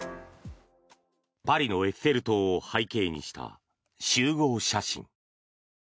パリのエッフェル塔を背景にした集合写真。